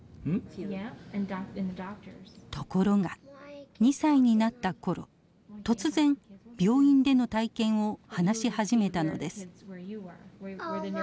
ところが２歳になった頃突然病院での体験を話し始めたのです。